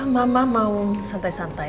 mama mau santai santai